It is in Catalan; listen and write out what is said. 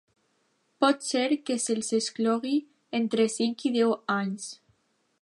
Pot ser que se'ls exclogui entre cinc i deu anys.